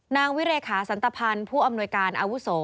นางวิเรขาสันตภัณฑ์ผู้อำนวยการอาวุโส